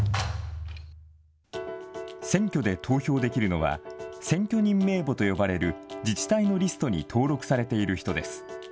選挙で投票できるのは、選挙人名簿と呼ばれる自治体のリストに登録されている人です。